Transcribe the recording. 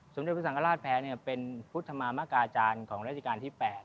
สมเด็จพระสังฆราชแพ้เป็นพุทธมามกาจารย์ของราชการที่๘